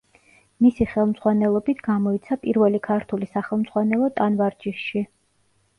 მისი ხელმძღვანელობით გამოიცა პირველი ქართული სახელმძღვანელო ტანვარჯიშში.